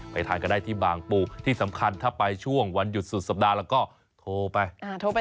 ทานกันได้ที่บางปูที่สำคัญถ้าไปช่วงวันหยุดสุดสัปดาห์แล้วก็โทรไปโทรไป